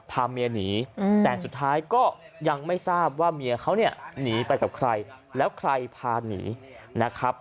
พาเมียหนีแต่สุดท้ายก็ยังไม่ทราบว่าเมียเขาเนี่ยหนีไปกับใครแล้วใครพาหนีนะครับ